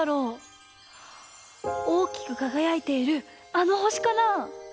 おおきくかがやいているあの星かな？